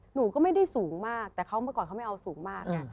หนูก็ไม่ได้สูงมากแต่เขาเมื่อก่อนเขาไม่เอาสูงมากไง